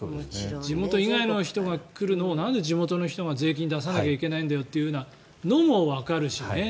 地元以外の人が来るのをなんで地元の人が税金を出さなきゃいけないんだよっていうのもわかるしね。